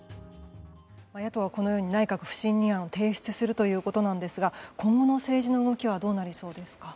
野党はこのように内閣不信任案を提出するということですが今後の政治の動きはどうなりそうですか？